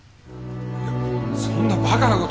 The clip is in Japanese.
いやそんなバカなこと！